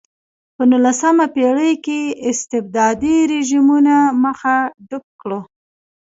په نولسمه پېړۍ کې استبدادي رژیمونو مخه ډپ کړه.